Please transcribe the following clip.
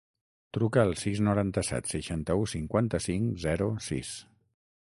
Truca al sis, noranta-set, seixanta-u, cinquanta-cinc, zero, sis.